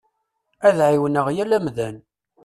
Ad ɛiwneɣ yal amdan.